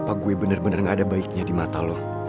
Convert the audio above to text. apa gue bener bener gak ada baiknya di mata lo